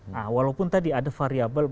nah walaupun tadi ada variable